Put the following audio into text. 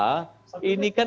ini kan seperti panjang